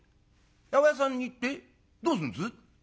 「八百屋さんに行ってどうすんです？」。